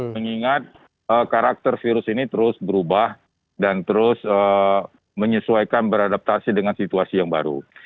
mengingat karakter virus ini terus berubah dan terus menyesuaikan beradaptasi dengan situasi yang baru